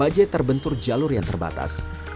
jantur jalur yang terbatas